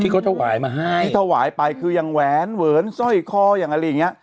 เขาถวายมาให้ที่ถวายไปคืออย่างแหวนเหวนสร้อยคออย่างอะไรอย่างเงี้ย